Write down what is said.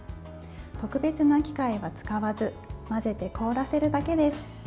特別な機械は使わず混ぜて凍らせるだけです。